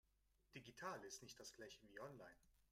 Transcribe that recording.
Digital ist nicht das Gleiche wie online.